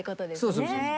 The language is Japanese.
そうそうそう。